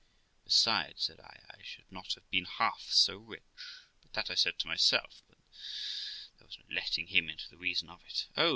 Besides ', said I, ' I should not have been half so rich '; but that I said to myself, for there was no letting him into the reason of it. 'Oh!'